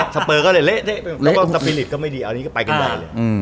สเปอร์ก็เละแล้วก็สปิลิตก็ไม่ดีเอาอันนี้ก็ไปกันได้เลย